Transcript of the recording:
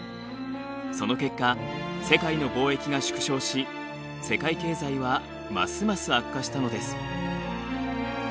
その結果世界の貿易が縮小し世界経済はますます悪化したのです。